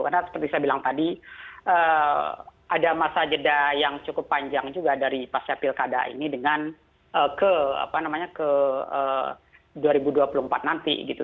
karena seperti saya bilang tadi ada masa jeda yang cukup panjang juga dari pasca pilkada ini dengan ke dua ribu dua puluh empat nanti gitu